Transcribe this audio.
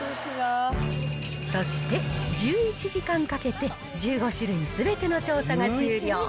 そして１１時間かけて１５種類すべての調査が終了。